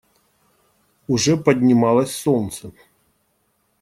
Уже поднималось солнце.